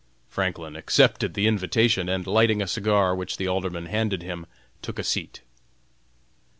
Franklin accepted the invitation, and lighting a cigar which the Alderman handed him, took a seat.